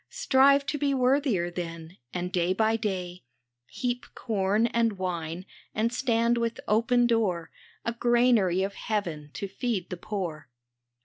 Strive to be worthier, then, and day by day Heap corn and wine, and stand with open door, A granary of heaven to feed the poor.